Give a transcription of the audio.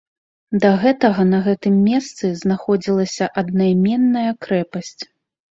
Да гэтага на гэтым месцы знаходзілася аднайменная крэпасць.